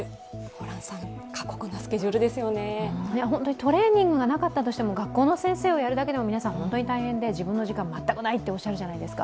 トレーニングがなかったとしても、学校の先生をやるだけでも皆さん本当に大変で自分の時間全くないっておっしゃるじゃないですか。